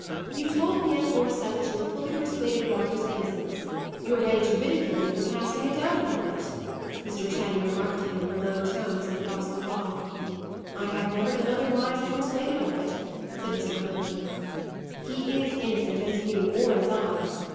"You told me at Borcette that you were fully persuaded of Arthur's innocence; you were ready to ridicule me for casting a doubt upon it," Mr. Channing remarked to him in a low tone, as they crossed the hall. "I have never been otherwise than persuaded of it," said Mr. Huntley. "He is innocent as you, or as I."